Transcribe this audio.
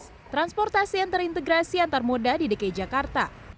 fasilitas transportasi yang terintegrasi antar moda di dki jakarta